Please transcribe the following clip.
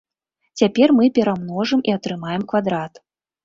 Цяпер мы перамножым і атрымаем квадрат.